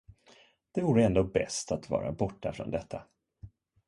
Det vore ändå bäst att vara borta från detta.